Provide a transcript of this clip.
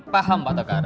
paham pak tegar